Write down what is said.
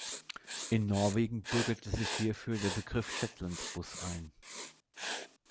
In Norwegen bürgerte sich hierfür der Begriff Shetland Bus ein.